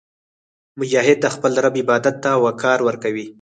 مجاهد د خپل رب عبادت ته وقار ورکوي.